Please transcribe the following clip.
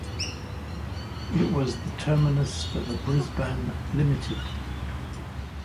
It was the terminus for the "Brisbane Limited".